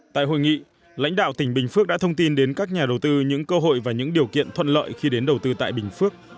tại hội nghị lãnh đạo tỉnh bình phước đã thông tin đến các nhà đầu tư những cơ hội và những điều kiện thuận lợi khi đến đầu tư tại bình phước